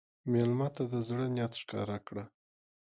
مېلمه ته د زړه نیت ښکاره کړه.